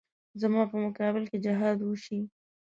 زما په مقابل کې جهاد وشي.